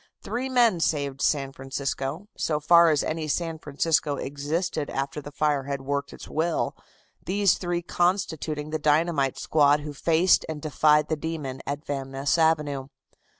Three men saved San Francisco, so far as any San Francisco existed after the fire had worked its will, these three constituting the dynamite squad who faced and defied the demon at Van Ness Avenue.